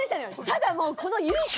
ただもうこの勇気。